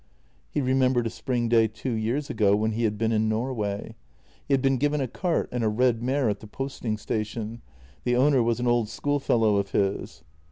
He remembered a spring day two years ago when he had been in Norway. He had been given a cart and a red mare' at the posting station; the owner was an old schoolfellow of his.